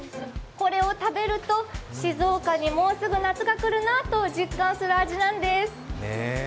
これを食べると静岡にもうすぐ夏が来るなと実感する味なんです。